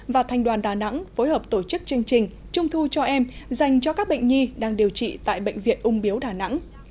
và thành đoàn đà nẵng phối hợp tổ chức chương trình trung thu cho em dành cho các bệnh nhi đang điều trị tại bệnh viện ung biếu đà nẵng